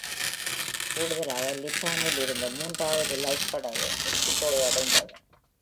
கூடுதலாக, லித்தாமில் இருந்து மூன்றாவது லைஃப் படகு "மெக்ஸிகோவை" அடைந்தது.